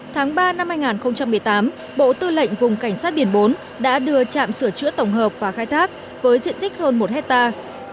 tháng ba năm hai nghìn một mươi tám bộ tư lệnh vùng cảnh sát biển bốn đã đưa trạm sửa chữa tổng hợp và khai thác với diện tích hơn một hectare